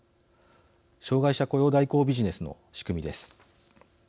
障害者雇用代行ビジネスの仕組みです。